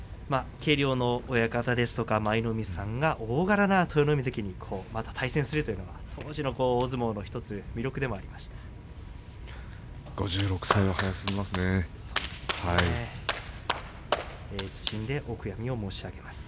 軽量の親方ですとか舞の海さんが大型な豊ノ海関に対戦するというのは当時の大相撲の１つ５６歳は早すぎますね。